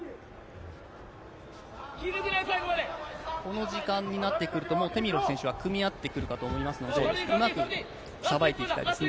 この時間になってくると、テミロフ選手は組み合ってくるかと思いますので、うまく、さばいていきたいですね。